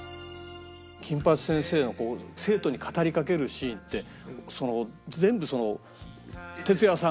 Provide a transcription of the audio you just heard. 『金八先生』の生徒に語りかけるシーンって全部その。